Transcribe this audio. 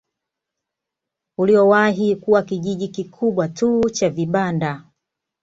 Uliowahi kuwa kijiji kikubwa tu cha vibanda